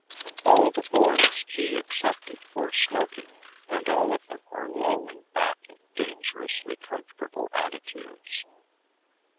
All the boys, he excepted, were smoking, and all of them were lolling back in dangerously comfortable attitudes.